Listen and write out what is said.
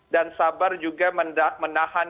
dan sabar juga menahan